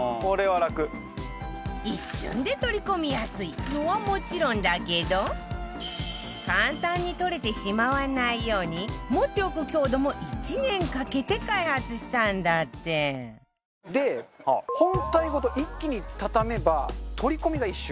一瞬で取り込みやすいのはもちろんだけど簡単に取れてしまわないように持っておく強度も１年かけて開発したんだってで本体ごと一気に畳めば取り込みが一瞬。